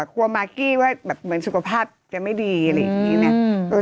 กลัวมากกี้ว่าเหมือนสุขภาพจะไม่ดีอะไรอย่างนี้